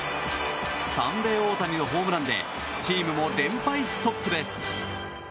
サンデー大谷のホームランでチームも連敗ストップです。